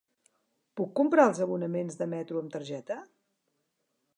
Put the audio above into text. Puc comprar els abonaments de metro amb targeta?